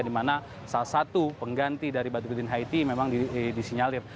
dimana salah satu pengganti dari badruddin haiti memang disinyalir